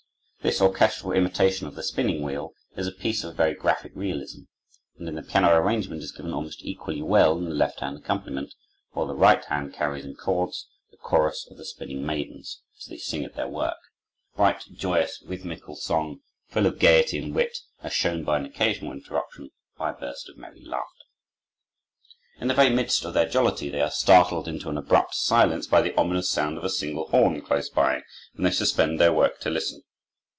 This orchestral imitation of the spinning wheel is a piece of very graphic realism, and in the piano arrangement is given almost equally well in the left hand accompaniment, while the right hand carries in chords the chorus of the spinning maidens, as they sing at their work, a bright, joyous, rhythmical song, full of gaiety and wit, as shown by an occasional interruption by a burst of merry laughter. In the very midst of their jollity they are startled into an abrupt silence by the ominous sound of a single horn close by, and they suspend their work to listen.